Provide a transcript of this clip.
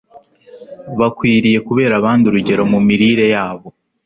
Bakwiriye kubera abandi urugero mu mirire yabo